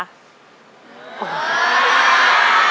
ขอเชิญแม่จำรูนขึ้นมาต่อชีวิต